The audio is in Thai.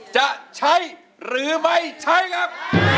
จะใช้หรือไม่ใช้ครับ